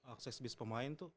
akses bis pemain tuh